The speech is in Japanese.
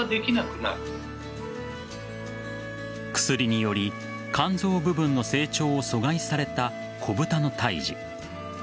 薬により肝臓部分の成長を阻害された子ブタの胎児。